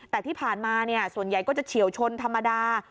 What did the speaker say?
แต่ที่ผ่านมาส่วนใหญ่ก็จะเฉียวชนธรรมดา